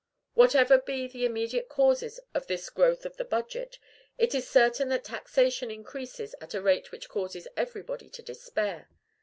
Whatever be the immediate causes of this growth of the budget, it is certain that taxation increases at a rate which causes everybody to despair.